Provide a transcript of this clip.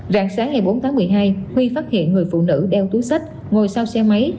rạng sáng ngày bốn tháng một mươi hai huy phát hiện người phụ nữ đeo túi sách ngồi sau xe máy